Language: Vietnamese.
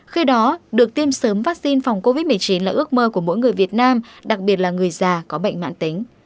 khi đó được tiêm sớm vaccine phòng covid một mươi chín là ước mơ của mỗi người việt nam đặc biệt là người già có bệnh mạng tính